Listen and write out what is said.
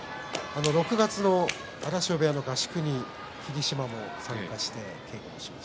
６月の荒汐部屋の合宿に霧島も参加しました。